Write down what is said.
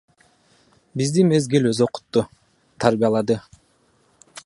Бизди мезгил өзү окутту, тарбиялады.